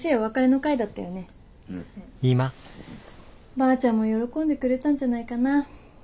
ばあちゃんも喜んでくれたんじゃないかな。